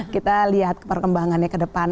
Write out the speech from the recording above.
kita lihat perkembangannya ke depan